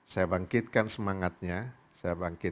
saya bangkitkan semangatnya